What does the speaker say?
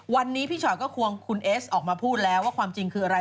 วันนี้พี่ชอตก็ควงคุณเอสออกมาพูดแล้วว่าความจริงคืออะไร